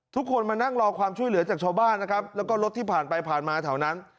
ทุกคนมานั่งรอความช่วยเหลือจากชาวบ้านนะครับแล้วก็รถที่ผ่านไปผ่านมาแถวนั้น